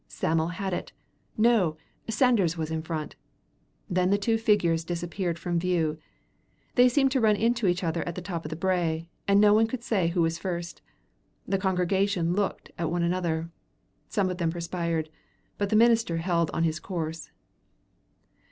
Sam'l had it. No, Sanders was in front. Then the two figures disappeared from view. They seemed to run into each other at the top of the brae, and no one could say who was first. The congregation looked at one another. Some of them perspired. But the minister held on his course.